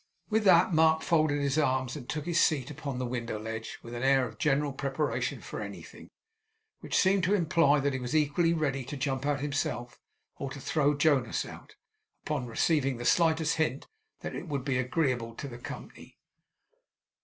With that, Mark folded his arms, and took his seat upon the window ledge, with an air of general preparation for anything, which seemed to imply that he was equally ready to jump out himself, or to throw Jonas out, upon receiving the slightest hint that it would be agreeable to the company.